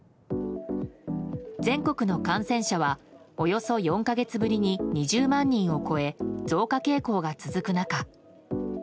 全国の感染者はおよそ４か月ぶりに２０万人を超え増加傾向が続く中。